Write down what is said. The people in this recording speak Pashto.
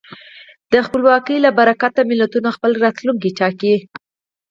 د خپلواکۍ له برکته ملتونه خپل راتلونکی ټاکي.